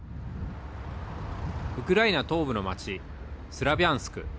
ウクライナ東部の町、スラビャンスク。